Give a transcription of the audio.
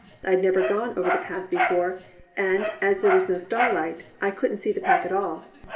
I had never gone over the path before and as there was no starlight, I couldn't see the path at all.